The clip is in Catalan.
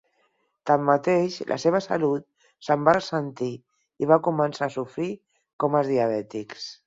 Tanmateix, la seva salut se'n va ressentir i va començar a sofrir comes diabètics.